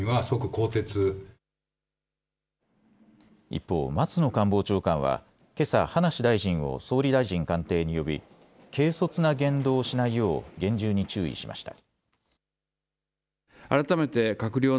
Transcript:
一方、松野官房長官はけさ葉梨大臣を総理大臣官邸に呼び軽率な言動をしないよう厳重に注意しました。